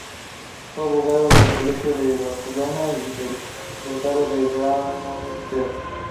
Fue abogado del Colegio de Barcelona y del Juzgado de Granollers.